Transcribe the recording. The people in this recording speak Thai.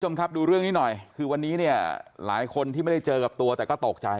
คุณผู้ชมครับดูเรื่องนี้หน่อยคือวันนี้เนี่ยหลายคนที่ไม่ได้เจอกับตัวแต่ก็ตกใจ